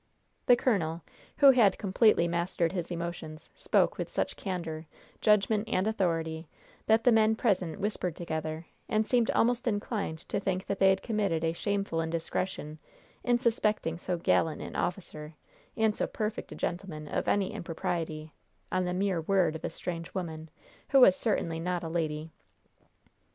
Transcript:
The colonel, who had completely mastered his emotions, spoke with such candor, judgment and authority that the men present whispered together, and seemed almost inclined to think that they had committed a shameful indiscretion in suspecting so gallant an officer and so perfect a gentleman of any impropriety, on the mere word of a strange woman, who was certainly not a lady.